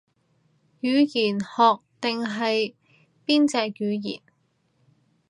語言學定係邊隻語言